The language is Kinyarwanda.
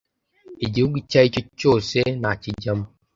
Igihugu icyo aricyo cyose nakijyamo